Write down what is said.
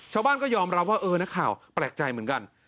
ชาวบ้านก็ยอมรับว่าเออนักข่าวแปลกใจเหมือนกัน